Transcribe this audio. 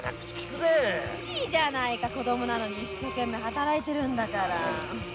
いいじゃないか子供なのに一生懸命働いてんだよ。